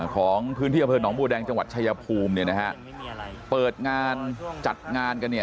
ของพื้นที่อเภิร์ดหนองบัวแดงจังหวัดชายภูมิเปิดงานจัดงานกัน